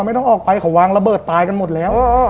ไม่ต้องออกไปเขาวางระเบิดตายกันหมดแล้ว